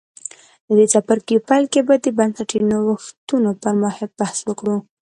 د دې څپرکي په پیل کې به د بنسټي نوښتونو پر ماهیت بحث وکړو